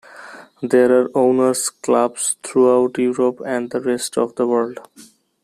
There are owners clubs throughout Europe and the rest of the world.